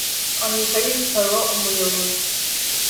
ahita yitaba umuyobozi